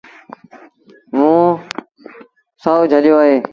موݩ سهو جھليو اهي۔